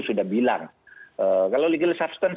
sudah bilang kalau legal substance